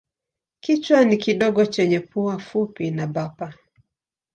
Kichwa ni kidogo chenye pua fupi na bapa.